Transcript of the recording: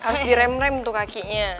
bikin rem tuh kakinya